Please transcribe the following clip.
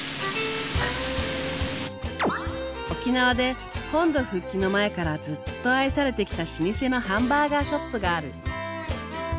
沖縄で本土復帰の前からずっと愛されてきた老舗のハンバーガーショップがある。